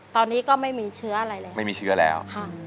ตอนนี้ก็ไม่มีเชื้ออะไรแล้ว